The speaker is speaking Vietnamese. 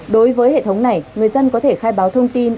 đối với hệ thống này người dân có thể khai báo thông tin